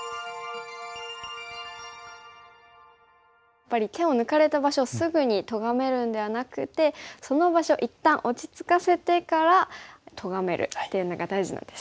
やっぱり手を抜かれた場所をすぐにとがめるんではなくてその場所一旦落ち着かせてからとがめるっていうのが大事なんですね。